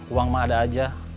uang mah ada aja